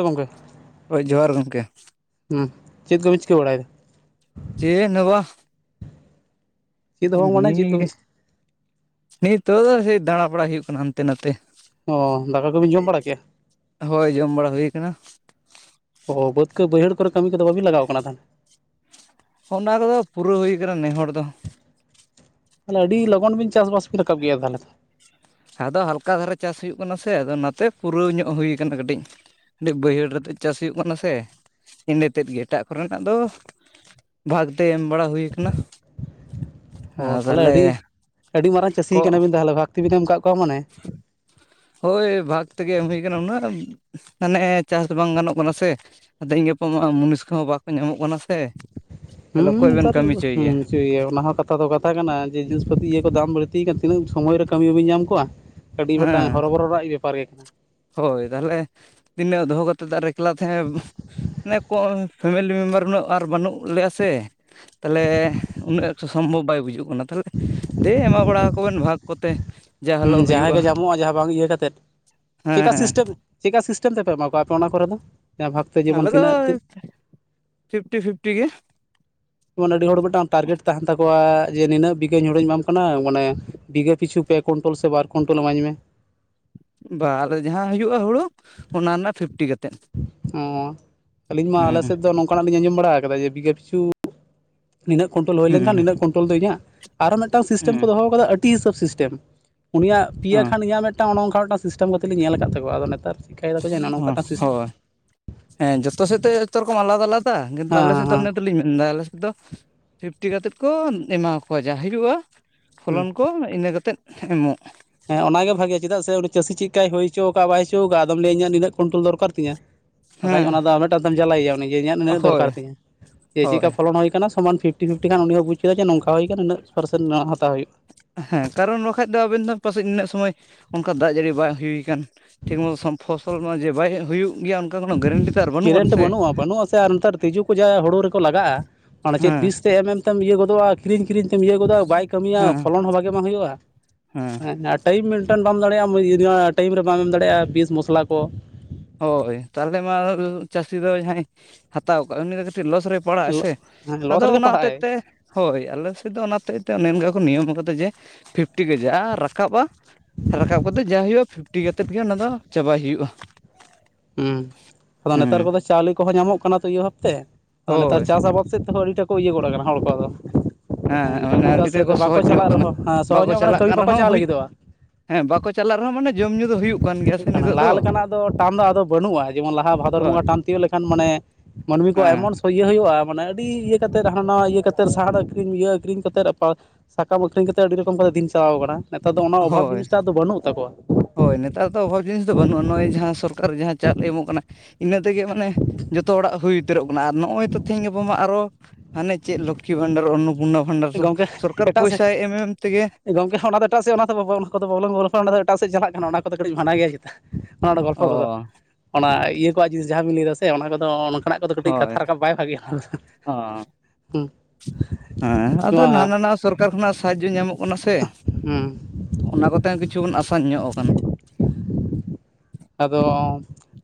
ᱜᱚᱝᱠᱮ ᱦᱳᱭ ᱡᱚᱦᱟᱨ ᱜᱚᱢᱠᱮ᱾ ᱪᱮᱫ ᱠᱚᱵᱤᱱ ᱪᱤᱠᱟᱹ ᱵᱟᱲᱟᱭᱮᱫᱟ? ᱪᱮᱫ ᱦᱚ ᱵᱟᱝ᱾ ᱪᱮᱫ ᱦᱚᱸ ᱵᱟᱝ ᱢᱟᱱᱮ ᱮᱢᱱᱤ ᱪᱮᱫ ᱠᱚᱵᱤᱱ ᱜᱮ, ᱱᱤᱛᱚᱜ ᱥᱮ ᱫᱟᱬᱟ ᱵᱟᱲᱟᱭ ᱦᱩᱭᱩᱜ ᱠᱟᱱᱟ ᱦᱟᱱᱛᱮ ᱱᱟᱛᱮ᱾ ᱚ, ᱫᱟᱠᱟ ᱠᱚᱵᱤᱱ ᱡᱚᱢ ᱵᱟᱲᱟ ᱠᱮᱜᱼᱟ? ᱦᱳᱭ, ᱡᱚᱢ ᱵᱟᱲᱟ ᱦᱩᱭ ᱟᱠᱟᱱᱟ᱾ ᱚ ᱵᱟᱹᱫᱽ ᱠᱚ ᱵᱟᱹᱭᱦᱟᱹᱲ ᱠᱚᱨᱮ ᱠᱟᱹᱢᱤ ᱠᱚ ᱫᱚ ᱵᱟᱵᱤᱱ ᱞᱟᱜᱟᱣ ᱠᱟᱱᱟ ᱛᱟᱦᱚᱞᱮ? ᱚᱱᱟ ᱠᱚᱫᱚ, ᱯᱩᱨᱟᱹᱣ ᱦᱩᱭ ᱟᱠᱟᱱᱟ ᱱᱮᱦᱚᱲ ᱫᱚ᱾ ᱛᱟᱦᱚᱞᱮ ᱟᱹᱰᱤ ᱞᱚᱜᱚᱱ ᱵᱤᱱ ᱪᱟᱥᱵᱟᱥ ᱵᱤᱱ ᱨᱟᱠᱟᱵ ᱜᱮᱭᱟ ᱛᱟᱦᱚᱞᱮ ᱛᱚ᱾ ᱟᱫᱚ ᱦᱟᱞᱠᱟ ᱫᱷᱟᱨᱮ ᱪᱟᱥ ᱦᱩᱭᱩᱜ ᱠᱟᱱᱟ ᱥᱮ, ᱟᱫᱚ ᱚᱱᱟᱛᱮ ᱯᱩᱨᱟᱹᱣ ᱧᱚᱜ ᱦᱩᱭ ᱠᱟᱱᱟ ᱠᱟᱹᱴᱤᱡ᱾ ᱟᱹᱰᱤ ᱵᱟᱹᱭᱦᱟᱹᱲ ᱨᱮᱛᱮᱫ ᱪᱟᱥ ᱦᱩᱭᱩᱜ ᱠᱟᱱᱟ ᱥᱮ, ᱤᱱᱟᱹ ᱛᱮᱫ ᱜᱮ ᱮᱴᱟᱜ ᱠᱚᱨᱮᱱᱟᱜ ᱫᱚ ᱵᱷᱟᱜᱽᱛᱮ ᱮᱢ ᱵᱟᱲᱟ ᱦᱩᱭ ᱟᱠᱟᱱᱟ᱾ ᱚ ᱛᱟᱦᱚᱞᱮ ᱟᱹᱰᱤ ᱟᱹᱰᱤ ᱢᱟᱨᱟᱝ ᱪᱟᱹᱥᱤ ᱠᱚᱜ ᱠᱟᱱᱟ ᱵᱤᱱ ᱛᱟᱦᱚᱞᱮ, ᱵᱷᱟᱠ ᱛᱤ ᱵᱤᱱ ᱮᱢ ᱠᱟᱜ ᱠᱚᱣᱟ ᱢᱟᱱᱮ᱾ ᱦᱳᱭ ᱵᱷᱟᱜᱽ ᱛᱮᱜᱮ ᱮᱢ ᱦᱩᱭ ᱠᱟᱱᱟ, ᱩᱱᱟᱹᱜ ᱢᱟᱱᱮ ᱪᱟᱥ ᱵᱟᱝ ᱜᱟᱱᱚᱜ ᱠᱟᱱᱟ ᱥᱮ᱾ ᱟᱫᱚ ᱛᱮᱦᱮᱧ ᱜᱟᱯᱟ ᱢᱟ ᱢᱩᱱᱤᱥ ᱠᱚ ᱦᱚᱸ ᱵᱟᱠᱚ ᱧᱟᱢᱚᱜ ᱠᱟᱱᱟ ᱥᱮ᱾ ᱛᱟᱦᱚᱞᱮ ᱦᱩᱸ ᱚᱠᱚᱭ ᱵᱮᱱ ᱱᱮᱛᱟᱨ ᱫᱚ ᱠᱟᱹᱢᱤ ᱦᱚᱪᱚᱭᱮᱭᱟ [unintelligible] ᱚᱱᱟ ᱦᱚᱸ ᱠᱟᱛᱷᱟ ᱠᱟᱛᱷᱟ ᱫᱚ ᱠᱟᱛᱷᱟ ᱠᱟᱱᱟ ᱡᱮ, ᱡᱤᱱᱤᱥ ᱯᱟᱹᱛᱤ ᱤᱭᱟᱹ ᱠᱚ ᱫᱟᱢ ᱵᱟᱹᱲᱛᱤ ᱠᱟᱱᱟ ᱛᱤᱱᱟᱹᱜ ᱥᱚᱢᱚᱭ ᱨᱮ ᱠᱟᱹᱢᱤ ᱵᱟᱹᱵᱤᱱ ᱧᱟᱢ ᱠᱚᱣᱟ᱾ ᱟᱹᱰᱤ ᱦᱮᱸ ᱢᱤᱫᱴᱟᱝ ᱦᱚᱨᱚ ᱵᱚᱨᱚ ᱨᱮᱱᱟᱜ ᱵᱮᱯᱟᱨ ᱜᱮ ᱠᱟᱱᱟ᱾ ᱦᱳᱭ ᱛᱟᱦᱞᱮ ᱛᱤᱱᱟᱹᱜ ᱫᱚᱦᱚ ᱠᱟᱛᱮᱫ ᱟᱨ ᱮᱠᱞᱟ ᱛᱟᱦᱮᱸ ᱚᱱᱮ ᱠᱚ ᱯᱷᱮᱢᱮᱞᱤ ᱢᱮᱢᱵᱟᱨ ᱩᱱᱟᱹᱜ ᱟᱨ ᱵᱟᱹᱱᱩᱜ ᱞᱮᱭᱟ ᱥᱮ᱾ ᱛᱟᱦᱚᱞᱮ ᱩᱱᱟᱹᱜ ᱮᱠᱴᱩ ᱥᱚᱢᱵᱷᱚᱵ ᱵᱟᱭ ᱵᱩᱡᱟᱹᱜ ᱠᱟᱱᱟ᱾ ᱛᱟᱦᱚᱞᱮ ᱫᱮ ᱮᱢᱟ ᱵᱟᱲᱟ ᱟᱠᱚ ᱵᱮᱱ ᱵᱷᱟᱜᱽ ᱠᱚᱛᱮ᱾ ᱡᱟ ᱦᱮᱸ ᱦᱤᱞᱳᱜ ᱡᱟᱦᱟᱸᱭ ᱦᱩᱭᱩᱜᱼᱟ ᱜᱮ ᱧᱟᱢᱚᱜᱼᱟ, ᱡᱟᱦᱟᱸ ᱵᱟᱝ ᱤᱭᱟᱹ ᱠᱟᱛᱮᱫ᱾ ᱪᱮᱜᱼᱠᱟ ᱦᱮᱸ ᱥᱤᱥᱴᱮᱢ ᱪᱮᱠᱟ ᱥᱤᱥᱴᱮᱢ ᱛᱮᱯᱮ ᱮᱢᱟ ᱠᱚᱣᱟ, ᱟᱯᱮ ᱚᱱᱟ ᱠᱚᱨᱮ ᱫᱚ ᱡᱟᱦᱟᱸ ᱵᱷᱟᱜᱵᱽ ᱛᱮ ᱟᱞᱮ ᱡᱮᱢᱚᱱ ᱫᱚ ᱛᱤᱱᱟᱹᱜ ᱯᱷᱤᱯᱴᱤ ᱯᱷᱤᱯᱴᱤ ᱜᱮ᱾ ᱡᱮᱢᱚᱱ ᱟᱹᱰᱤ ᱦᱚᱲ ᱢᱤᱫᱴᱟᱝ ᱴᱟᱨᱜᱮᱴ ᱛᱟᱦᱮᱱ ᱛᱟᱠᱚᱣᱟ, ᱡᱮ ᱱᱤᱱᱟᱹᱜ ᱵᱤ ᱦᱳᱲᱳᱧ ᱮᱢᱟᱢ ᱠᱟᱱᱟ, ᱢᱟᱱᱮ ᱵᱤᱜᱷᱟᱹ ᱯᱤᱪᱷᱩ ᱯᱮ ᱠᱩᱭᱱᱴᱳᱞ ᱥᱮ ᱵᱟᱨ ᱠᱩᱭᱱᱴᱳᱞ ᱤᱢᱟᱹᱧ ᱢᱮ᱾ ᱵᱟ, ᱟᱞᱮ ᱫᱚ ᱡᱟᱦᱟᱸ ᱦᱩᱭᱩᱜᱼᱟ ᱦᱩᱲᱩ, ᱚᱱᱟ ᱨᱮᱱᱟᱜ ᱯᱷᱤᱯᱴᱤ ᱠᱟᱛᱮᱫ᱾ ᱚᱻ ᱟᱹᱞᱤᱧ ᱢᱟ ᱟᱞᱮ ᱦᱩᱸ ᱥᱮᱫ ᱫᱚ ᱱᱚᱝᱠᱟᱱᱟᱜ ᱞᱤᱧ ᱟᱸᱡᱚᱢ ᱵᱟᱲᱟ ᱠᱟᱫᱟ ᱡᱮ ᱵᱤᱜᱷᱟᱹ ᱯᱤᱪᱷᱩ ᱱᱤᱱᱟᱹᱜ ᱠᱚᱱᱴᱳᱞ ᱦᱩᱭ ᱞᱮᱠᱷᱟᱱ ᱦᱩᱸ ᱱᱤᱱᱟᱹᱜ ᱠᱩᱱᱴᱳᱞ ᱫᱚ ᱤᱧᱟᱹᱜ ᱾ᱟᱨᱚ ᱢᱤᱫᱴᱟᱝ ᱥᱤᱥᱴᱮᱢ ᱠᱚ ᱦᱩᱸ ᱫᱚᱦᱚ ᱟᱠᱟᱫᱟ ᱟᱹᱰ ᱛᱤ ᱦᱤᱥᱟᱹᱵᱽ ᱥᱤᱥᱴᱮᱢ ᱩᱱᱤᱭᱟᱜ ᱯᱮᱭᱟ ᱦᱚᱸ ᱠᱷᱟᱱ ᱤᱧᱟᱹᱜ ᱢᱤᱫᱴᱟᱝ ᱚᱱᱮ ᱚᱱᱠᱟ ᱢᱤᱫᱴᱟᱝ ᱥᱤᱥᱴᱮᱢ ᱠᱟᱛᱮᱫ ᱞᱤᱧ ᱧᱮᱞ ᱟᱠᱟᱫ ᱛᱟᱠᱚᱣᱟ, ᱟᱫᱚ ᱱᱮᱛᱟᱨ ᱪᱮᱠᱟᱭᱟ ᱫᱟᱜ ᱠᱚ ᱱᱚᱝᱠᱟᱱᱟᱜ ᱦᱚᱸ ᱢᱤᱫᱴᱟᱝ ᱥᱤᱥ ᱦᱳᱭ ᱦᱮᱸ ᱡᱚᱛᱚ ᱥᱮᱫ ᱛᱮ ᱡᱚᱛᱚ ᱨᱚᱠᱚᱢ ᱟᱞᱟᱫᱟ ᱟᱞᱟ ᱫᱟ ᱠᱤᱱᱛᱩ ᱦᱮᱸ ᱟᱞᱮ ᱥᱮᱫ ᱦᱮᱸ ᱫᱚ ᱦᱮᱸ ᱤᱱᱟᱹ ᱛᱮ ᱞᱤᱧ ᱢᱮᱱ ᱮᱫᱟ ᱟᱞᱮ ᱥᱮᱫ ᱫᱚ, ᱯᱷᱤᱯᱴᱤ ᱠᱟᱛᱮᱫ ᱠᱚ ᱮᱢᱟᱠᱚᱣᱟ, ᱡᱟ ᱦᱩᱭᱩᱜᱼᱟ ᱦᱩᱸ ᱯᱷᱚᱞᱚᱱ ᱠᱚ ᱤᱱᱟᱹ ᱠᱟᱛᱮᱫ ᱮᱢᱚᱜ᱾ ᱦᱮᱸ ᱚᱱᱟᱜᱮ ᱵᱷᱟᱜᱮᱭᱟ, ᱪᱮᱫᱟᱜ ᱥᱮ ᱩᱱᱤ ᱪᱟᱹᱥᱤ ᱪᱮᱫ ᱞᱮᱠᱟᱭ ᱦᱩᱭ ᱪᱚ ᱚᱠᱟ ᱵᱟᱭ ᱦᱚᱭ ᱪᱚ ᱠᱟᱣᱟᱜᱼᱟ ᱟᱢ ᱞᱟᱹᱭᱟᱹ ᱱᱤᱱᱟᱹ ᱠᱚᱱᱴᱨᱞ ᱫᱚᱨᱟᱨ ᱛᱤᱧᱟᱹ, ᱵᱟᱠᱷᱟᱡ ᱦᱮᱸ ᱚᱱᱟ ᱫᱚ ᱢᱤᱫᱴᱟᱝ ᱛᱮᱢ ᱡᱟᱞᱟᱭᱮᱭᱟ ᱩᱱᱤ ᱡᱮ ᱤᱧᱟᱹᱜ ᱱᱩᱱᱟᱹᱜ ᱦᱳᱭ ᱫᱚᱨᱠᱟᱨ ᱛᱤᱧ ᱡᱮ ᱪᱮᱫ ᱦᱳᱭ ᱞᱮᱠᱟ ᱯᱷᱚᱞᱚᱱ ᱦᱩᱭ ᱟᱠᱟᱱᱟ ᱥᱚᱢᱟᱱ ᱯᱷᱤᱯ ᱴᱤ ᱯᱷᱤᱯᱴᱤ ᱠᱷᱟᱱ ᱩᱱᱤ ᱦᱚᱸ ᱵᱩᱡᱽ ᱠᱮᱫᱟ ᱱᱚᱝᱠᱟ ᱦᱩᱭ ᱟᱠᱟᱱᱟ ᱩᱱᱟᱜ ᱯᱟᱨᱥᱮᱱᱴ ᱦᱟᱛᱟᱣ ᱦᱩᱭᱩᱜᱼᱟ᱾ ᱦᱮᱸ ᱠᱟᱨᱚᱱ ᱵᱟᱠᱷᱟᱡ ᱫᱚ ᱟᱵᱮᱱ ᱫᱚ ᱯᱟᱥᱮᱡ ᱩᱱᱟᱹᱜ ᱥᱚᱢᱚᱭ ᱚᱱᱠᱟ ᱫᱟᱜ ᱡᱟᱹᱲᱤ ᱵᱟᱭ ᱦᱩᱭᱩᱠᱟᱱ᱾ ᱴᱷᱤᱠ ᱢᱚᱛᱚ ᱯᱷᱚᱥᱚᱞ ᱢᱟ ᱡᱮ ᱵᱟᱭ ᱦᱩᱭᱩᱜ ᱜᱮᱭᱟ᱾ ᱠᱳᱱᱳ ᱜᱮᱨᱮᱱᱴᱤ ᱛᱚ ᱟᱨ ᱵᱟᱹᱱᱩᱜ ᱟᱱ ᱠᱨᱮᱱᱴ ᱥᱮ ᱵᱟᱹᱱᱩᱜᱼᱟ ᱵᱟᱹᱱᱩᱜ ᱟᱥᱮ ᱟᱨ ᱱᱮᱛᱟᱨ ᱛᱤᱡᱩ ᱠᱚ ᱡᱟ ᱦᱩᱲᱩ ᱨᱮᱠᱚ ᱞᱟᱜᱟᱜᱼᱟ ᱚᱱᱟ ᱪᱮᱫ ᱦᱮᱸ ᱫᱤᱥ ᱛᱮ ᱮᱢᱮᱢ ᱛᱮᱢ ᱤᱭᱟᱹ ᱜᱚᱫᱚᱜᱼᱟ ᱠᱤᱨᱤᱧ ᱠᱤᱨᱤᱧ ᱛᱮᱢ ᱤᱭᱟᱹ ᱜᱚᱫᱚᱜᱼᱟ ᱵᱟᱭ ᱠᱟᱹᱢᱤᱭᱟ ᱦᱮᱸ ᱯᱷᱚᱞᱚᱱ ᱦᱚᱸ ᱵᱷᱟᱜᱮ ᱵᱟᱝ ᱦᱩᱭᱩᱜᱼᱟ ᱦᱮᱸ ᱟᱨ ᱴᱟᱭᱤᱢ ᱢᱮᱱᱴᱮᱱ ᱵᱟᱢ ᱫᱟᱲᱮᱭᱟᱜᱼᱟ ᱴᱟᱭᱤᱢ ᱨᱮ ᱵᱟᱢ ᱮᱢ ᱫᱟᱲᱮᱭᱟᱜᱼᱟ ᱵᱤᱥ ᱢᱚᱥᱞᱟ ᱠᱚ ᱦᱳᱭ ᱛᱟᱦᱚᱞᱮ ᱢᱟ ᱪᱟᱹᱥᱤ ᱫᱚ ᱡᱟᱦᱟᱸᱭ ᱦᱟᱛᱟᱣ ᱠᱟᱜ ᱩᱱᱤ ᱫᱚ ᱠᱟᱹᱴᱤᱡ ᱞᱚᱥ ᱨᱮ ᱯᱟᱲᱟᱜ ᱟᱭ ᱥᱮ ᱦᱮᱸ ᱞᱚᱥ ᱟᱫᱚ ᱨᱮᱜᱮ ᱚᱱᱟ ᱦᱚᱛᱮᱫ ᱯᱟᱲᱟᱜᱼᱟᱭ ᱛᱮ ᱦᱳᱭ ᱟᱞᱮ ᱥᱮᱫ ᱫᱚ ᱚᱱᱟᱛᱮ ᱛᱮ ᱚᱱᱮ ᱚᱱᱠᱟ ᱠᱚ ᱱᱤᱭᱚᱢ ᱠᱟᱫᱟ ᱡᱮ ᱯᱷᱤᱯᱴᱤ ᱜᱮ ᱠᱟᱡᱟᱜ ᱨᱟᱠᱟᱵᱼᱟ ᱨᱟᱠᱟᱵ ᱠᱟᱛᱮ ᱡᱟ ᱦᱩᱭᱩᱜᱼᱟ ᱯᱷᱤᱯᱴᱤ ᱠᱟᱛᱮ ᱜᱮ ᱚᱱᱟ ᱪᱟᱵᱟᱭ ᱦᱩᱭᱩᱜᱼᱟ। ᱦᱩᱸ ᱟᱫᱚ ᱱᱮᱛᱟᱨ ᱦᱮᱸ ᱠᱚᱫᱚ ᱪᱟᱣᱞᱮ ᱠᱚᱦᱚᱸ ᱧᱟᱢᱚᱜ ᱦᱩᱭᱩᱜ ᱠᱟᱱᱟ ᱛᱚ ᱤᱭᱟᱹ ᱵᱷᱟᱵᱛᱮ ᱟᱫᱚ ᱦᱳᱭ ᱱᱮᱛᱟᱨ ᱪᱟᱥ ᱟᱵᱟᱫ ᱥᱮᱫ ᱛᱮᱦᱚᱸ ᱟᱹᱰᱤᱴᱟ ᱠᱚ ᱤᱭᱟᱹ ᱜᱚᱫ ᱟᱠᱟᱱᱟ ᱦᱚᱲ ᱠᱚ ᱟᱫᱚ᱾ ᱦᱮᱸ ᱢᱟᱱᱮ ᱠᱟᱹᱢᱤ ᱫᱚ ᱟᱹᱰᱤ ᱛᱮᱫ ᱥᱮᱫ ᱠᱚ ᱫᱚ ᱵᱟᱠᱚ ᱥᱚᱦᱚᱡᱽ ᱧᱚᱜ ᱪᱟᱞᱟᱜ ᱠᱟᱱᱟ ᱨᱮᱦᱚᱸ ᱦᱮᱸ ᱥᱚᱦᱚ ᱵᱟᱠᱚ ᱧᱚᱜ ᱠᱟᱱᱟ ᱪᱟᱞᱟᱜ ᱠᱟᱹᱢᱤ ᱠᱟᱱ ᱵᱟᱠᱚ ᱨᱮᱦᱚᱸ ᱪᱟᱞᱟᱜ ᱦᱩᱭ ᱞᱟᱹᱜᱤᱫᱚᱜᱼᱟ। ᱦᱮᱸ ᱵᱟᱠᱚ ᱪᱟᱞᱟᱜ ᱨᱮᱦᱚᱸ ᱢᱟᱱᱮ ᱡᱚᱢ ᱧᱩᱸ ᱫᱚ ᱦᱩᱭᱩᱜ ᱠᱟᱱ ᱜᱮᱭᱟ ᱥᱮ ᱱᱤᱛᱚᱜ ᱫᱚ। ᱟᱫᱚ ᱴᱟᱢ ᱫᱚ ᱟᱫᱚ ᱵᱟᱹᱱᱩᱜᱼᱟ ᱡᱮᱢᱚᱱ ᱞᱟᱦᱟ ᱵᱷᱟᱫᱚᱨ ᱦᱳᱭ ᱵᱚᱸᱜᱟ ᱴᱟᱱ ᱛᱤᱭᱳᱜ ᱞᱮᱠᱷᱟᱱ ᱢᱟᱱᱮ ᱢᱟᱹᱱᱢᱤ ᱠᱚ ᱦᱮᱸ ᱮᱢᱚᱱ ᱥᱚᱭᱭᱟᱹ ᱦᱩᱭᱩᱜᱼᱟ ᱢᱟᱱᱮ ᱟᱹᱰᱤ ᱤᱭᱟᱹ ᱠᱟᱛᱮᱫ ᱦᱟᱱᱟ ᱱᱟᱣᱟ ᱤᱭᱟᱹ ᱠᱟᱛᱮᱫ ᱥᱟᱦᱟ ᱟᱹᱠᱷᱨᱤᱧ ᱠᱟᱛᱮᱫ ᱟᱨ ᱥᱟᱠᱟᱢ ᱟᱹᱠᱷᱨᱤᱧ ᱠᱟᱛᱮᱫ ᱟᱹᱰᱤ ᱨᱚᱠᱚᱢ ᱫᱤᱱ ᱪᱟᱞᱟᱣ ᱟᱠᱟᱱᱟ ᱱᱮᱛᱟᱨ ᱫᱚ ᱚᱱᱟ ᱚᱵᱷᱟᱵᱽ ᱦᱳᱭ ᱡᱤᱱᱤᱥᱴᱟᱜ ᱫᱚ ᱵᱟᱹᱱᱩᱜ ᱛᱟᱠᱚᱣᱟ। ᱦᱳᱭ ᱱᱮᱛᱟᱨ ᱫᱚ ᱚᱵᱷᱟᱵᱽ ᱡᱤᱱᱤᱥ ᱫᱚ ᱵᱟᱹᱱᱩᱜᱼᱟ ᱱᱚᱜᱼᱚᱭ ᱡᱟᱦᱟᱸ ᱥᱚᱨᱠᱟᱨ ᱡᱟᱦᱟᱸ ᱪᱟᱣᱞᱮ ᱮᱢᱚᱜ ᱠᱟᱱᱟ ᱤᱱᱟᱹ ᱛᱮᱜᱮ ᱢᱟᱱᱮ ᱡᱚᱛᱚ ᱦᱚᱲᱟᱜ ᱦᱩᱭ ᱩᱛᱟᱹᱨᱚᱜ ᱠᱟᱱᱟ ᱟᱨ ᱱᱚᱜᱼᱚᱭ ᱛᱚ ᱛᱮᱦᱤᱧ ᱜᱟᱯᱟ ᱢᱟ ᱟᱨᱚ ᱦᱟᱱᱮ ᱪᱮᱫ ᱞᱚᱠᱠᱷᱤ ᱵᱷᱟᱱᱰᱟᱨ ᱚᱱᱚᱯᱩᱨᱱᱱᱟ ᱵᱷᱟᱱᱰᱟᱨ ᱫᱚ ᱜᱚᱢᱠᱮ ᱥᱚᱨᱠᱟᱨ ᱮᱴᱟᱜ ᱥᱮᱫ ᱯᱚᱭᱥᱟᱭ ᱮᱢ ᱮᱢ ᱛᱮᱜᱮ ᱜᱚᱝᱠᱮ ᱚᱱᱟ ᱫᱚ ᱚᱱᱟ ᱫᱚ ᱮᱴᱟᱜ ᱥᱮᱡ ᱚᱱᱟ ᱫᱚ ᱵᱟᱚᱞᱝ ᱜᱚᱞᱯᱚ ᱚᱱᱟ ᱫᱚ ᱮᱴᱟᱜᱮᱫ ᱪᱟᱞᱟᱜ ᱠᱟᱱᱟ ᱚᱱᱟ ᱠᱚᱫᱚ ᱠᱟᱹᱴᱤᱡ ᱢᱟᱱᱟ ᱜᱮᱭᱟ। ᱚᱱᱟ ᱚ ᱜᱚᱞᱯᱷᱚ ᱠᱚᱫᱚ ᱚᱱᱟ ᱤᱭᱟᱹ ᱠᱚᱣᱟᱜ ᱡᱤᱱᱤᱥ ᱡᱟᱦᱟᱸ ᱵᱤᱱ ᱞᱟᱹᱭ ᱫᱟ ᱥᱮ ᱚᱱᱟ ᱠᱚᱫᱚ ᱚᱱᱠᱟᱱᱟᱜ ᱠᱚᱫᱚ ᱠᱟᱹᱴᱤᱡ ᱦᱳᱭ ᱠᱟᱛᱷᱟ ᱨᱟᱠᱟᱵ ᱵᱟᱭ ᱵᱷᱟᱜᱮᱭᱟ। ᱚ ᱱᱚᱣᱟ ᱦᱟᱱᱟ ᱱᱟᱣᱟ ᱥᱚᱨᱠᱟᱨ ᱠᱷᱚᱱᱟᱜ ᱥᱟᱦᱟᱡᱡᱚ ᱧᱟᱢᱚᱜ ᱠᱟᱱᱟ ᱥᱮ। ᱦᱩᱸ ᱚᱱᱟ ᱠᱚᱛᱮ ᱦᱚᱸᱚᱸ ᱠᱤᱪᱷᱩ ᱵᱚᱱ ᱟᱥᱟᱱ ᱧᱚᱜ ᱟᱠᱟᱱᱟ। ᱟᱫᱚ,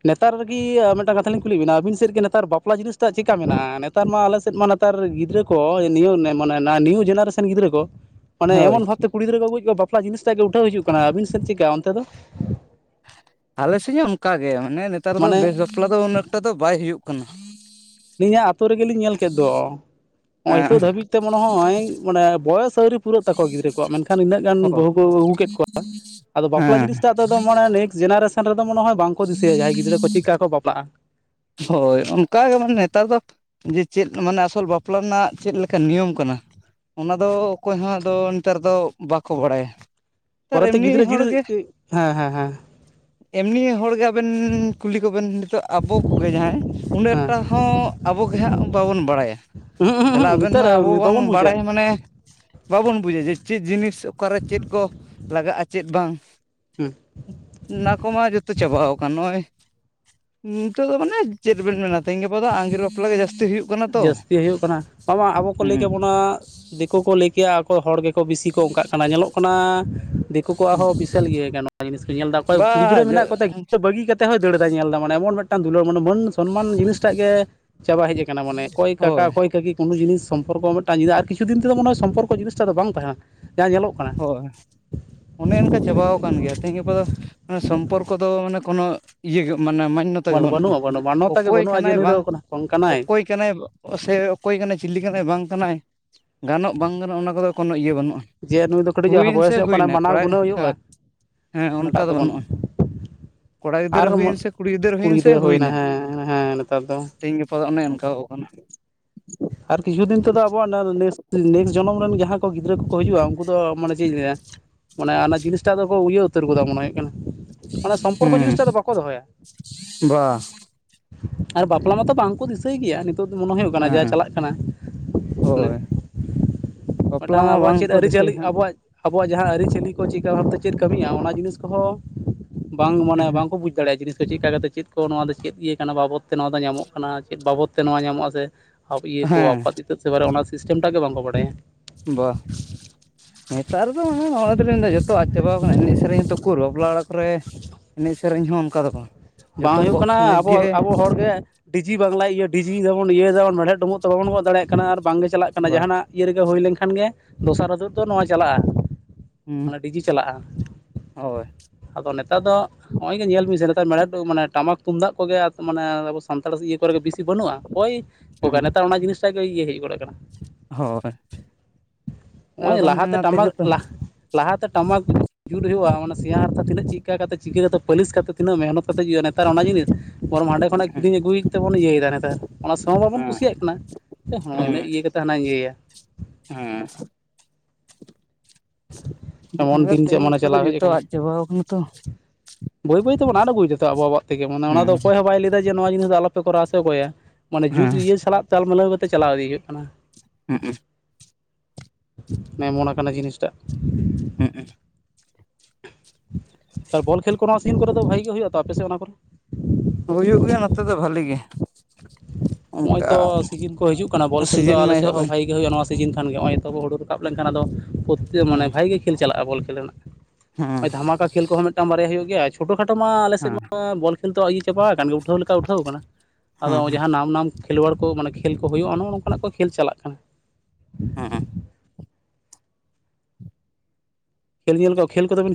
ᱱᱮᱛᱟᱨ ᱨᱤᱜᱤ ᱢᱤᱫᱴᱟᱝ ᱠᱟᱛᱷᱟ ᱞᱤᱧ ᱠᱩᱞᱤᱭᱮᱫ ᱵᱤᱱᱟ ᱟᱹᱵᱤᱱ ᱥᱮᱫ ᱜᱮ ᱱᱮᱛᱟᱨ ᱵᱟᱯᱞᱟ ᱡᱤᱱᱤᱥᱴᱟ ᱪᱮᱫᱮᱠᱟ ᱢᱮᱱᱟᱜᱼᱟ ᱱᱮᱛ ᱱᱮᱛᱟᱨ ᱢᱟ ᱟᱞᱮ ᱥᱮᱫ ᱢᱟ ᱱᱮᱛᱟᱨ ᱜᱤᱫᱽᱨᱟᱹ ᱠᱚ ᱢᱟᱱᱮ ᱱᱤᱭᱩ ᱡᱮᱱᱟᱨᱮᱥᱮᱱ ᱠᱚ ᱢᱟᱱᱮ ᱦᱳᱭ ᱮᱢᱚᱱ ᱵᱷᱟᱵᱛᱮ ᱠᱩᱲᱤ ᱜᱤᱫᱽᱨᱟᱹ ᱠᱚ ᱵᱟᱯᱞᱟᱜ ᱡᱤᱱᱤᱥ ᱴᱟᱜ ᱜᱮ ᱩᱴᱷᱟᱹᱣ ᱦᱤᱡᱩᱜ ᱠᱟᱱᱟ ᱟᱵᱤᱱ ᱥᱮᱫ ᱪᱤᱜᱠᱟ ᱚᱱᱛᱮ ᱫᱚ? ᱟᱞᱮ ᱥᱮᱫ ᱦᱚᱸ ᱚᱱᱠᱟᱜᱮ ᱢᱟᱱᱮ ᱱᱮᱛᱟᱨ ᱫᱚ ᱢᱟᱱᱮ ᱵᱮᱥ ᱵᱟᱯᱞᱟ ᱫᱚ ᱩᱱᱟᱹᱜᱠᱴᱟ ᱫᱚ ᱵᱟᱭ ᱦᱩᱭᱩᱜ ᱠᱟᱱᱟ। ᱟᱹᱞᱤᱧᱟᱜ ᱟ ᱟᱹᱛᱩᱳ ᱨᱮᱜᱮᱞᱤᱧ ᱧᱮᱞ ᱠᱮᱫ ᱫᱚ᱾ ᱱᱚᱜᱼᱚᱭ ᱦᱮᱸ ᱱᱤᱛ ᱫᱷᱟᱹᱤᱡ ᱢᱮ ᱱᱚᱜᱼᱚᱭ ᱢᱚᱱᱮ ᱵᱚᱭᱚᱥ ᱟᱹᱣᱨᱤ ᱯᱩᱨᱟᱹᱜ ᱛᱟᱠᱚᱣᱟ ᱜᱤᱫᱽᱨᱟᱹ ᱠᱚᱣᱟᱜ ᱢᱮᱱᱠᱷᱟᱱ ᱤᱱᱟᱹᱜ ᱜᱟᱱ ᱦᱳᱭ ᱵᱟᱹᱦᱩ ᱠᱚ ᱟᱹᱜᱩ ᱠᱮᱫ ᱠᱚᱣᱟ [inaudible] ᱟᱫᱚ ᱵᱟᱯᱞᱟ ᱦᱮᱸ ᱡᱤᱱᱤᱥᱴᱟᱜ ᱟᱫᱚ ᱢᱟᱱᱮ ᱱᱮᱠᱥᱴ ᱡᱮᱱᱟᱨᱮᱥᱮᱱ ᱨᱮᱫᱚ ᱢᱚᱱᱮᱦᱚᱭ ᱵᱟᱝ ᱠᱚ ᱫᱤᱥᱟᱹᱭᱟ ᱡᱟᱦᱟᱸᱭ ᱜᱤᱫᱽᱨᱟᱹ ᱠᱚ ᱪᱮᱜ ᱠᱟ ᱠᱚ ᱵᱟᱯᱞᱟᱜ-ᱟ, ᱦᱳᱭ ᱚᱱᱠᱟ ᱜᱮ ᱢᱟᱱᱮ ᱱᱮᱛᱟᱨ ᱫᱚ ᱡᱮ ᱪᱮᱫ ᱢᱟᱱᱮ ᱟᱥᱚᱞ ᱵᱟᱯᱞᱟ ᱨᱮᱱᱟᱜ ᱪᱮᱫ ᱞᱮᱠᱟ ᱱᱤᱭᱚᱢ ᱠᱟᱱᱟ? ᱚᱱᱟᱫᱚ ᱚᱠᱚᱭᱦᱚᱸ ᱟᱫᱚ ᱱᱮᱛᱟᱨ ᱫᱚ ᱵᱟᱠᱚ ᱵᱟᱲᱟᱭᱟ᱾ ᱛᱟᱨ ᱯᱚᱨᱮᱛᱮ ᱮᱢᱱᱤ ᱜᱤᱫᱽᱨᱟᱹ ᱦᱚᱲ ᱡᱤᱨᱟᱹ ᱜᱮ ᱦᱮᱸ ᱦᱮᱸ ᱦᱮᱸ ᱮᱢᱱᱤ ᱦᱚᱲ ᱜᱮ ᱟᱵᱮᱱ ᱠᱩᱞᱤ ᱠᱚᱵᱮᱱ ᱱᱤᱛᱳᱜ ᱟᱵᱚ ᱠᱚᱜᱮ ᱡᱟᱦᱟᱸᱭ ᱩᱱᱟᱹᱜ ᱦᱮᱸ ᱮᱠᱴᱟ ᱦᱚᱸ ᱟᱵᱚᱜᱮ ᱦᱟᱸᱜ ᱵᱟᱵᱚᱱ ᱵᱟᱲᱟᱭᱟ ᱦᱩᱸ ᱦᱩᱸ ᱛᱟᱦᱞᱮ ᱦᱩᱸ ᱟᱵᱮᱱ ᱱᱮᱛᱟᱨ ᱢᱟ ᱟᱵᱚ ᱵᱟᱝ ᱵᱟᱵᱚᱱ ᱵᱩᱡᱟ ᱵᱟᱲᱟᱭ ᱢᱟ ᱱᱮ ᱵᱟᱵᱚᱱ ᱵᱩᱡᱟ ᱡᱮ ᱪᱮᱫ ᱡᱤᱱᱤᱥ ᱚᱠᱟᱨᱮ ᱪᱮᱫ ᱠᱚ ᱞᱟᱜᱟᱜ-ᱟ ᱪᱮᱫ ᱵᱟᱝ ᱦᱮᱸ ᱚᱱᱟ ᱠᱚᱢᱟ ᱡᱚᱛᱚ ᱪᱟᱵᱟᱣ ᱟᱠᱟᱱ ᱱᱚᱜ-ᱚᱭ ᱱᱤᱛᱳᱜ ᱫᱚ ᱢᱟᱱᱮ ᱪᱮᱫ ᱵᱮᱱ ᱢᱮᱱᱟ ᱛᱮᱦᱮᱧ ᱜᱟᱯᱟ ᱫᱚ ᱟᱸᱜᱮᱨ ᱵᱟᱯᱞᱟ ᱜᱮ ᱡᱟᱹᱥᱛᱤ ᱦᱩᱭᱩᱜ ᱠᱟᱱᱟ ᱛᱚ ᱡᱟᱹᱥᱛᱤ ᱦᱩᱭᱩᱜ ᱠᱟᱱᱟ ᱵᱟᱝ ᱵᱟᱝ ᱟᱵᱚ ᱠᱚ ᱞᱟᱹᱭ ᱠᱮᱜ ᱦᱩᱸ ᱵᱚᱱᱟ ᱫᱤᱠᱩ ᱠᱚ ᱞᱟᱹᱭ ᱠᱮᱭᱟ ᱦᱚᱲ ᱜᱮᱠᱚ ᱵᱤᱥᱤ ᱠᱚ ᱚᱨᱠᱟᱜ ᱠᱟᱱᱟ ᱧᱮᱞᱚᱜ ᱠᱟᱱᱟ ᱫᱤᱠᱩ ᱠᱚᱣᱟᱜ ᱦᱚᱸ ᱵᱤᱥᱟᱞ ᱜᱤ ᱜᱟᱱᱚᱜ ᱡᱤᱱᱤᱥ ᱠᱚ ᱧᱮᱞ ᱮᱫᱟ ᱚᱠᱚᱭ ᱵᱟ ᱜᱤᱫᱽᱨᱟᱹ ᱢᱮᱱᱟᱹᱜ ᱠᱚᱛᱮ ᱜᱤᱫᱽᱨᱟᱹ ᱵᱟᱹᱜᱤ ᱠᱟᱛᱮ ᱛᱮ ᱦᱚᱭ ᱫᱟᱹᱲ ᱮᱫᱟᱭ ᱧᱮᱞ ᱫᱟ ᱢᱟᱱᱮ ᱮᱢᱚᱱ ᱢᱮᱜᱴᱟᱝ ᱫᱩᱞᱟᱹᱲ ᱢᱟᱱᱮᱹ ᱢᱟᱹᱱ ᱥᱚᱱᱢᱟᱱ ᱡᱤᱱᱤᱥᱹᱴᱟᱜ ᱜᱮ ᱪᱟᱵᱟ ᱦᱮᱡ ᱟᱸ ᱠᱟᱱᱟ ᱢᱟᱹᱱᱮ ᱠᱚᱭ ᱦᱳᱭ ᱠᱟᱠᱟ ᱠᱚᱭ ᱠᱟᱹᱠᱤ ᱠᱳᱱᱳ ᱡᱤᱱᱤᱥ ᱥᱚᱢᱯᱚᱨᱠᱚᱸ ᱢᱮᱜᱴᱟᱝ ᱟᱨ ᱠᱤᱪᱷᱩ ᱫᱤᱱ ᱛᱮᱫᱚ ᱢᱚᱱᱮ ᱦᱚᱭ ᱥᱚᱢᱯᱠᱚ ᱡᱤᱱᱤᱥᱴᱟ ᱫᱚ ᱵᱟᱝ ᱛᱟᱦᱮᱱᱟ ᱡᱟᱦᱟᱸ ᱧᱮᱞᱚᱜ ᱠᱟᱱᱟ᱾ ᱦᱚᱭ ᱚᱱᱮ ᱚᱱᱠᱟ ᱪᱟᱵᱟᱣ ᱠᱟᱱ ᱜᱮᱭᱟ ᱛᱮᱤᱦᱮᱧ ᱜᱟᱯᱟ ᱫᱚ ᱱᱮ ᱥᱚᱢᱯᱚᱨ ᱠᱚ ᱫᱚ ᱢᱟᱱᱮ ᱠᱚᱱᱚ ᱤᱭᱟᱹ ᱜᱮ ᱢᱟᱱᱮ ᱢᱟᱱᱱᱚ ᱛᱟ ᱜᱮ ᱵᱟᱹᱱᱩᱜᱼᱟ ᱵᱟᱹᱱᱩᱜ-ᱟ ᱵᱟᱹᱱᱩᱜᱼᱟ ᱢᱟᱱᱚᱛᱟ ᱜᱮ ᱚᱠᱚᱭ ᱵᱟᱹᱱᱩᱜᱼᱟ ᱡᱮ ᱠᱟᱱᱟᱭ ᱱᱩᱭ ᱵᱟᱝ ᱫᱚ ᱠᱟᱱᱟ ᱠᱟᱱᱟᱭ ᱚᱠᱚᱭ ᱠᱟᱱᱟᱹᱭ ᱥᱮ ᱚᱠᱚᱭ ᱠᱟᱱᱟᱭ ᱪᱤᱞᱤ ᱠᱟᱱᱟᱭ ᱵᱟᱝ ᱠᱟᱱᱟᱭ ᱜᱟᱱᱚᱜ ᱵᱟᱝ ᱜᱟᱱᱚᱜ ᱚᱱᱟ ᱠᱚᱫᱚ ᱠᱳᱱᱳ ᱤᱭᱟᱹ ᱵᱟᱹᱱᱩᱜ-ᱟ᱾ ᱡᱮ ᱱᱩᱭ ᱫᱚ ᱠᱟᱹᱴᱤᱡ ᱦᱟ ᱵᱚᱭᱮᱥᱚᱜ ᱠᱟᱱᱟ ᱢᱟᱱᱟᱹᱣ ᱜᱩᱱᱟᱹᱣ ᱦᱩᱭᱩᱜ-ᱟ ᱦᱳᱭ ᱦᱮᱸ ᱚᱱᱟᱴᱟᱜ ᱚᱱᱠᱟ ᱫᱚ ᱵᱟᱹᱱᱩᱜ-ᱟ᱾ ᱵᱟᱹᱱᱩᱜᱼᱟ ᱠᱚᱲᱟ ᱟᱨᱻ ᱜᱤᱫᱽᱨᱟᱹ ᱦᱩᱭᱮᱱ ᱥᱮ ᱠᱩᱲᱤ ᱦᱩᱭᱮᱱ ᱥᱮ ᱜᱤᱫᱽᱨᱟᱹ ᱦᱳᱭᱱᱟ ᱦᱮᱸ ᱦᱮᱸ ᱱᱮᱛᱟᱨ ᱫᱚ᱾ ᱠᱚ ᱚᱱᱮ ᱚᱱ ᱠᱟᱣ ᱠᱟᱱᱟ᱾ ᱟᱨ ᱠᱤᱪᱷᱩ ᱫᱤᱱ ᱛᱮᱫᱚ ᱟᱸᱵᱚᱣᱟᱜ ᱱᱟ ᱱᱮᱥ ᱱᱮᱠᱥ ᱡᱚᱱᱚᱢ ᱨᱮᱱ ᱡᱟᱦᱟᱸᱭ ᱠᱚ ᱜᱤᱫᱽᱨᱟᱹ ᱠᱚᱠᱚᱸ ᱦᱤᱡᱩᱜ-ᱟ ᱩᱝᱠᱩ ᱫᱚ ᱢᱟᱱᱮᱹ ᱪᱮᱜ ᱤᱧ ᱞᱟᱹᱭᱟ ᱢᱟᱱᱮ ᱚᱱᱟ ᱡᱤᱱᱤᱥᱴᱟᱜ ᱫᱚᱠᱚ ᱤᱭᱟᱹ ᱩᱛᱟᱹᱨ ᱜᱚᱫᱟ ᱢᱚᱱᱮ ᱦᱩᱭᱩᱜ ᱠᱟᱱᱟ᱾ ᱚᱱᱟ ᱥᱚᱢᱯᱚᱨᱠᱚᱸ ᱦᱩᱸ ᱡᱤᱱᱤᱥᱹᱴᱟ ᱫᱚ ᱵᱟᱠᱚᱸ ᱫᱚᱦᱚᱭᱟ᱾ ᱵᱟ ᱟᱨ ᱵᱟᱯᱞᱟ ᱢᱟᱛᱚ ᱵᱟᱝᱠᱚᱸ ᱫᱤᱥᱟᱹᱭ ᱜᱮᱹᱭᱟ ᱱᱤᱛᱳᱜ ᱫᱚ ᱢᱚᱱᱮ ᱦᱩᱭᱩᱜ ᱠᱟᱱᱟ ᱡᱟ ᱦᱮᱸ ᱪᱟᱞᱟᱜ ᱠᱟᱱᱟ ᱦᱳᱭ ᱵᱟᱯᱞᱟ ᱢᱮᱜᱴᱟᱝ ᱢᱟ ᱟᱸᱵᱚᱣᱟᱜ ᱵᱟᱝ ᱪᱮᱫ ᱠᱚ ᱟᱹᱨᱤᱪᱟᱹᱞᱤ ᱫᱤᱥᱟᱹᱭᱟ ᱟᱸᱵᱚᱣᱟᱜ ᱟᱸᱵᱚᱣᱟᱜ ᱡᱟᱦᱟᱸ ᱟᱹᱨᱤᱪᱟᱹᱞᱤ ᱠᱚ ᱪᱮᱜᱠᱟ ᱵᱷᱟᱵᱛᱮ ᱪᱮᱫ ᱠᱟᱹᱢᱤᱜ-ᱟ ᱚᱱᱟ ᱡᱤᱱᱤᱥ ᱠᱚᱦᱚᱸ ᱵᱟᱝ ᱢᱟᱱᱮ ᱵᱟᱝᱠᱚ ᱵᱩᱡᱽ ᱫᱟᱲᱮᱜ-ᱟ ᱡᱤᱱᱤᱥ ᱛᱚ ᱪᱮᱫᱠᱟ ᱠᱟᱛᱮ ᱪᱮᱫ ᱠᱚ ᱱᱚᱣᱟ ᱫᱚ ᱪᱮᱫ ᱤᱭᱟᱹ ᱠᱟᱱᱟ ᱵᱟᱵᱚᱛ ᱛᱮ ᱱᱚᱣᱟ ᱫᱚ ᱧᱟᱢᱚᱜ ᱠᱟᱱᱟ ᱪᱮᱫ ᱵᱟᱵᱚᱛ ᱛᱮ ᱱᱚᱣᱟ ᱧᱟᱢᱚ-ᱟ ᱥᱮ ᱦᱚᱠ ᱤᱭᱟᱹ ᱠᱚ ᱦᱮᱸ ᱟᱯᱟ ᱤᱛᱟᱹᱫ ᱥᱮ ᱵᱟᱨᱮ ᱚᱱᱟ ᱥᱤᱥᱴᱮᱢᱹᱴᱟᱜ ᱜᱮ ᱵᱟᱝᱠᱚ ᱵᱟᱰᱟᱭᱟ᱾ ᱵᱟ᱾ ᱱᱮᱛᱟᱨ ᱨᱮᱫᱚ ᱱᱚᱜ-ᱚᱭ ᱫᱚᱞᱤᱧ ᱢᱮᱱ ᱮᱫᱟ ᱡᱚᱛᱚ ᱟᱫ ᱪᱟᱵᱟᱣ ᱟᱸᱠᱟᱱᱟ ᱮᱱᱮᱡ ᱥᱮᱨᱮᱧ ᱦᱚᱸ ᱛᱚ ᱠᱩᱨ ᱵᱟᱯᱞᱟ ᱚᱲᱟᱜ ᱠᱚᱨᱮ ᱮᱱᱮᱡ ᱥᱮᱨᱮᱧ ᱦᱚᱸ ᱚᱱᱠᱟ ᱫᱚ ᱵᱟ᱾ ᱵᱟᱝ ᱦᱩᱭᱩᱜ ᱠᱟᱱᱟ ᱟᱸᱵᱚ ᱟᱸᱵᱚ ᱦᱚᱲᱜᱮ ᱰᱤᱡᱤ ᱵᱟᱝᱞᱟᱭ ᱤᱭᱟᱹ ᱰᱤᱡᱤᱭ ᱫᱟᱵᱚᱱ ᱤᱭᱟᱹᱭ ᱫᱟᱵᱚᱱ ᱢᱮᱲᱦᱮᱫ ᱰᱩᱸᱵᱩᱜ ᱛᱚ ᱵᱟᱵᱚᱱ ᱜᱚᱜ ᱫᱟᱲᱮᱭᱟᱜ ᱠᱟᱱᱟ ᱟᱨ ᱵᱟᱝᱜᱮ ᱪᱟᱞᱟᱜ ᱠᱟᱱᱟ ᱵᱟ ᱡᱟᱦᱟᱸᱱᱟᱜ ᱤᱭᱟᱹ ᱨᱮᱜᱮ ᱦᱳᱭ ᱞᱮᱝᱠᱷᱟᱱ ᱜᱮ ᱫᱚᱥᱟᱨ ᱟᱫᱚᱫ ᱫᱚ ᱱᱚᱣᱟ ᱪᱟᱞᱟᱜ-ᱟ᱾ ᱦᱩᱸ ᱢᱟᱱᱮ ᱰᱤᱡᱤ ᱪᱟᱞᱟᱜ-ᱟ᱾ ᱦᱳᱭ ᱟᱸᱫᱚ ᱱᱮᱛᱟᱨ ᱫᱚ ᱦᱚᱜ-ᱚᱭ ᱜᱮ ᱧᱮᱞ ᱵᱤᱱ ᱱᱮᱛᱟᱨ ᱢᱮᱬᱦᱮᱫ ᱰᱩ ᱢᱟᱱᱮᱱ ᱴᱟᱢᱟᱠ ᱛᱩᱢᱫᱟᱜ ᱠᱚᱸᱜᱮ ᱢᱟᱱᱮ ᱟᱻ ᱥᱟᱱᱛᱟᱲ ᱤᱭᱟᱹ ᱠᱚᱨᱮᱜ ᱵᱤᱥᱤ ᱵᱟᱹᱱᱩᱜ-ᱟ ᱳᱭ ᱚᱠᱟ ᱦᱩᱸ ᱱᱮᱛᱟᱨ ᱚᱱᱟ ᱡᱤᱱᱤᱥ ᱴᱟᱜ ᱜᱮ ᱤᱭᱟᱹ ᱦᱮᱡ ᱜᱚᱫᱽ ᱠᱟᱱᱟ᱾ ᱦᱚᱭ ᱮᱠᱫᱚᱢ ᱚᱱᱟ ᱛᱮᱜᱮ ᱛᱚ ᱞᱟᱦᱟᱸᱛᱮ ᱴᱟᱢᱟᱠ ᱡᱩᱛ ᱦᱩᱭᱩᱜᱼᱟ ᱚᱱᱟ ᱥᱮᱭᱟ ᱦᱟᱨᱛᱟ ᱛᱤᱱᱟᱹᱜ ᱪᱤᱜᱠᱟ ᱠᱟᱛᱮ ᱪᱤᱠᱟᱹ ᱠᱟᱛᱮ ᱯᱟᱹᱞᱤᱥ ᱠᱟᱛᱮ ᱛᱤᱱᱟᱹᱜ ᱢᱮᱦᱱᱚᱛ ᱠᱟᱛᱮᱜ ᱡᱤᱭ ᱚᱱᱮ ᱱᱮᱛᱟᱨ ᱚᱱᱟ ᱡᱤᱱᱤᱥ ᱵᱚᱨᱚᱢ ᱦᱟᱸᱰᱮ ᱠᱷᱚᱱᱟᱜ ᱦᱮᱸ ᱠᱤᱨᱤᱧ ᱟᱹᱜᱩᱭᱮᱜ ᱛᱮᱵᱚᱱ ᱤᱭᱟᱹᱭᱮᱫᱟ ᱱᱮᱛᱟᱨ ᱚᱱᱟ ᱥᱚᱢᱚᱭ ᱵᱟᱵᱚᱱ ᱦᱮᱸ ᱠᱩᱥᱤᱭᱟᱜ ᱠᱟᱱᱟ᱾ ᱦᱚᱸ ᱱᱩᱱᱟᱹᱜ ᱤᱭᱟᱹ ᱠᱟᱛᱮᱫ ᱦᱟᱸᱱᱟᱧ ᱤᱭᱟᱹᱭᱟ᱾ ᱦᱮᱸ᱾ ᱮᱢᱚᱱ ᱫᱤᱱ ᱪᱮᱫ ᱛᱮᱦᱮᱧ ᱢᱟᱱᱮ ᱠᱚᱫᱚ ᱪᱟᱞᱟᱣ ᱦᱮᱡ ᱡᱷᱚᱛᱚ ᱟᱠᱟᱱᱟ ᱟᱫ ᱪᱟᱵᱟᱣ ᱠᱟᱱᱟ ᱛᱚ᱾ ᱵᱟᱹᱭ ᱵᱟᱹᱭ ᱛᱮᱵᱚᱱ ᱟᱫ ᱟᱹᱜᱩᱭ ᱫᱟᱛᱚ ᱟᱸᱵᱚ ᱟᱵᱟᱜ ᱛᱮᱜᱮ ᱢᱟᱱᱮ ᱦᱮᱸ ᱚᱱᱟ ᱫᱚ ᱚᱠᱚᱭ ᱦᱚᱸ ᱵᱟᱭ ᱞᱟᱹᱭᱟ ᱡᱮ ᱱᱚᱣᱟ ᱡᱤᱱᱤᱥ ᱫᱚ ᱟᱸᱞᱚᱯᱮ ᱠᱚᱨᱟᱣᱟ ᱥᱮ ᱚᱸᱠᱚᱭᱟ᱾ ᱢᱟᱹᱱᱮ ᱡᱩᱜᱽ ᱦᱮᱸ ᱤᱭᱟᱹ ᱥᱟᱞᱟᱜ ᱛᱟᱞ ᱢᱤᱞᱟᱹᱣ ᱠᱟᱛᱮ ᱪᱟᱞᱟᱣ ᱤᱫᱤ ᱦᱩᱭᱩᱹᱜ ᱠᱟᱱᱟ᱾ ᱦᱩᱸᱜ ᱩᱸ᱾ ᱮᱸ ᱢᱚᱱ ᱠᱟᱱᱟ ᱡᱤᱱᱤᱥᱹᱴᱟᱜ᱾ ᱦᱮᱸᱜ ᱩᱸ᱾ ᱟᱨ ᱵᱚᱞ ᱠᱷᱹᱮᱞ ᱠᱚᱨᱮ ᱱᱚᱣᱟ ᱥᱤᱱ ᱠᱚᱨᱮ ᱫᱚ ᱵᱷᱟᱜᱤ ᱜᱮ ᱦᱩᱭᱩᱜᱼᱟ ᱛᱚ ᱟᱸᱯᱮ ᱥᱮᱫ ᱚᱱᱟ ᱠᱚᱨᱮ? ᱦᱩᱭᱩᱜ ᱜᱮᱹᱭᱟ ᱱᱚᱛᱮ ᱫᱚ ᱵᱷᱟᱹᱞᱤ ᱜᱮ᱾ ᱱᱚᱸᱜᱼᱚᱭ ᱚᱱᱠᱟ ᱛᱚ ᱥᱤᱡᱤᱱ ᱠᱚ ᱦᱤᱡᱩᱜ ᱠᱟᱱᱟ ᱵᱚᱞ ᱠᱷᱮᱞ ᱫᱚ ᱥᱤᱡᱤᱱ ᱢᱟ ᱟᱸᱞᱮ ᱥᱮᱫ ᱮᱦᱚᱵ ᱦᱚᱸ ᱮᱱ ᱵᱷᱟᱜᱤ ᱜᱮ ᱦᱩᱭᱩᱜᱼᱟ ᱱᱚᱣᱟ ᱥᱤᱡᱤᱱ ᱠᱷᱟᱱᱜ ᱜᱮ ᱱᱚᱸᱜᱼᱚᱭ ᱛᱚ ᱦᱩᱲᱩ ᱨᱟᱠᱟᱵ ᱞᱮᱱᱹᱠᱷᱟᱱ ᱟᱸᱫᱚ ᱯᱨᱚᱛᱛᱮ ᱢᱟᱹᱱᱮ ᱦᱮᱸ ᱵᱷᱟᱜᱮ ᱜᱮ ᱠᱷᱮᱞ ᱪᱟᱞᱟᱜᱼᱟ ᱵᱚᱞ ᱠᱷᱮᱞ ᱨᱮᱱᱟᱜ᱾ ᱦᱮᱸ ᱱᱚᱸᱜᱼᱚᱭ ᱫᱷᱟᱢᱟᱠᱟ ᱠᱷᱮᱞ ᱠᱚᱦᱚᱸ ᱢᱤᱫᱴᱟᱝ ᱵᱟᱨᱭᱟ ᱦᱩᱭᱩᱜ ᱜᱮᱹᱭᱟ ᱪᱷᱚᱴᱳ ᱠᱷᱟᱴᱳ ᱢᱟ ᱟᱸᱞᱮ ᱥᱮᱫ ᱦᱮᱸ ᱢᱟ ᱵᱚᱞ ᱠᱷᱮᱞ ᱛᱚ ᱤᱭᱟᱹ ᱪᱟᱵᱟᱜ ᱠᱟᱱ ᱜᱮ ᱩ ᱴᱷᱟᱹᱣ ᱞᱮᱠᱟ ᱩᱴᱷᱟᱹᱣ ᱠᱟᱱᱟ᱾ ᱟᱫᱚ ᱦᱮᱸ ᱡᱟᱦᱟᱸ ᱱᱟᱢ ᱱᱟᱢ ᱠᱷᱮᱞᱣᱟᱲ ᱠᱚ ᱢᱟᱱᱮ ᱠᱷᱮᱞ ᱠᱚ ᱦᱩᱭᱩᱜᱼᱟ ᱱᱚᱸᱜᱼᱚ ᱱᱚᱝᱠᱟᱱᱟᱜ ᱠᱚ ᱠᱷᱮᱞ ᱪᱟᱞᱟᱜ ᱠᱟᱱᱟ᱾ ᱦᱚᱸ ᱦᱚᱸ᱾ ᱠᱷᱮᱞ ᱧᱮᱞ ᱠᱚ ᱠᱷᱮᱞ ᱠᱚᱫᱚ ᱵᱤᱱ